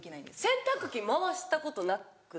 洗濯機回したことなくて。